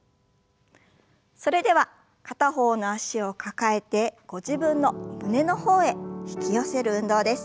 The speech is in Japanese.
それでは片方の脚を抱えてご自分の胸の方へ引き寄せる運動です。